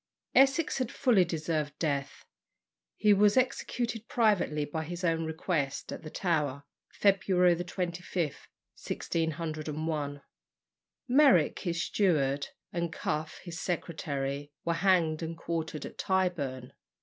Essex had fully deserved death. He was executed privately, by his own request, at the Tower, February 25, 1601. Meyrick, his steward, and Cuffe, his secretary, were hanged and quartered at Tyburn.